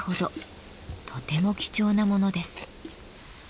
とても貴重なものです。